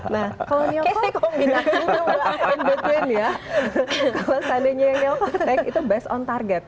nah kalau neokortex itu best on target